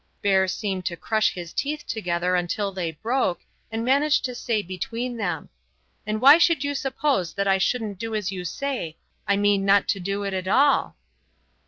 Bert seemed to crush his teeth together until they broke, and managed to say between them: "And why should you suppose that I shouldn't do as you say I mean not to do it at all?"